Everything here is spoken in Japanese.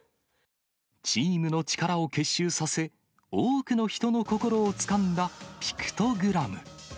チームの力を結集させ、多くの人の心をつかんだピクトグラム。